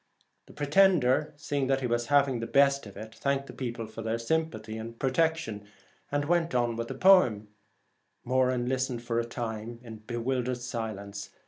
The pretender, seeing that he was having the best of it, thanked the people for their sympathy and protection, and went on with the poem, Moran listening for a time in 86 bewildered silence.